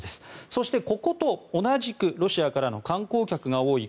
そして、ここと同じくロシアからの観光客が多い